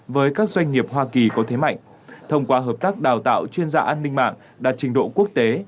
với các doanh nghiệp hoa kỳ có thế mạnh thông qua hợp tác đào tạo chuyên gia an ninh mạng đạt trình độ quốc tế